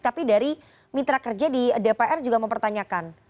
tapi dari mitra kerja di dpr juga mempertanyakan